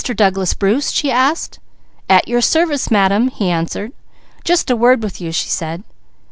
Douglas Bruce?" she asked. "At your service, Madam!" he answered. "Just a word with you," she said.